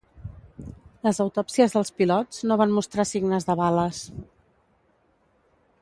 Les autòpsies dels pilots no van mostrar signes de bales.